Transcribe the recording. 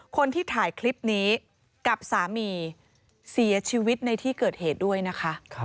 คนที่ถ่ายคลิปนี้กับสามีเสียชีวิตในที่เกิดเหตุด้วยนะคะ